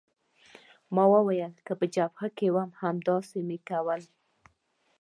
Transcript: ما وویل چې په جبهه کې وم همداسې مې کول.